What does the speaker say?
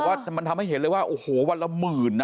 ว่ามันทำให้เห็นเลยว่าโอ้โหวันละหมื่นนะ